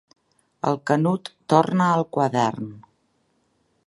El Canut torna al quadern.